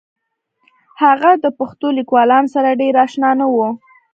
هغه د پښتو لیکوالانو سره ډېر اشنا نه و